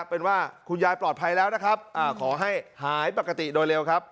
เป็นว่าคุณยายปลอดภัยแล้วนะครับขอให้หายปกติโดยเร็วครับ